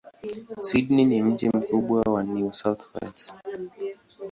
Sydney ni mji mkubwa wa New South Wales.